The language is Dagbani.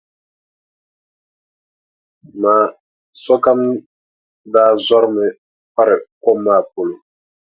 Maa sokam daa zɔrimi kpari kom maa polo.